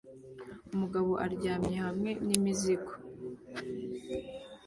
Umugabo aryamye hamwe n'imizigo